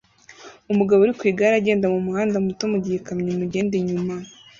Umugabo uri ku igare agenda mu muhanda muto mu gihe ikamyo imugenda inyuma